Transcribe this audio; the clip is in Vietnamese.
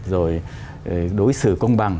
rồi đối xử công bằng